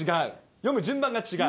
読む順番が違う。